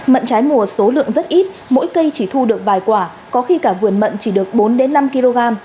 mận trái mùa số lượng rất ít mỗi cây chỉ thu được vài quả có khi cả vườn mận chỉ được bốn năm kg